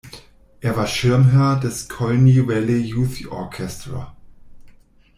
Er war Schirmherr des Colne Valley Youth Orchestra.